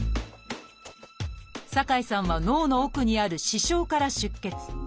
酒井さんは脳の奥にある「視床」から出血。